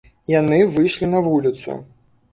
Яны выйшлі на вуліцу.